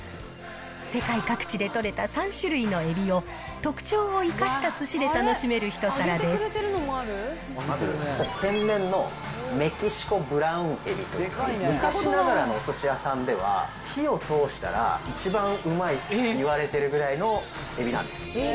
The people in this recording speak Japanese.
世界各地で取れた３種類のえびを、特長を生かしたすしで楽しめるまず、こちら、天然のメキシコブラウン海老という、昔ながらのおすし屋さんでは、火を通したら一番うまいといわれているぐらいのえびなんです。